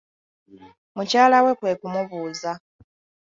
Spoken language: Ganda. Mukyala we kwe kumubuuza.